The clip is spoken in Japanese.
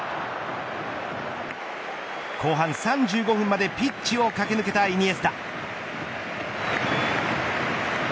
後半３５分までピッチを駆け抜けたイニエスタ。